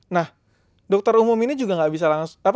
nah dokter umum ini juga gak bisa